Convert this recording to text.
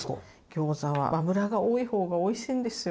ギョーザは油が多い方がおいしいんですよ。